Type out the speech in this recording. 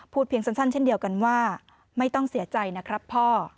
เพียงสั้นเช่นเดียวกันว่าไม่ต้องเสียใจนะครับพ่อ